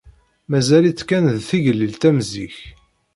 Mazal-tt kan d tigellilt am zik.